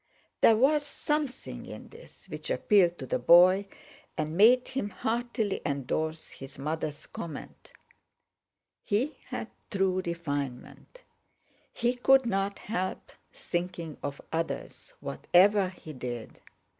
There was something in this which appealed to the boy, and made him heartily endorse his mother's comment: "He had true refinement; he couldn't help thinking of others, whatever he did.